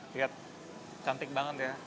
lihat cantik banget ya